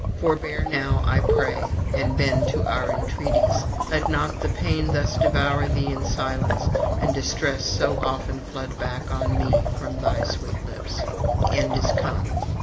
Forbear now, I pray, and bend to our entreaties; let not the pain thus devour thee in silence, and distress so often flood back on me from thy sweet lips. The end is come.